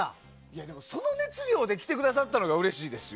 でも、その熱量で来てくださったのがうれしいですよ。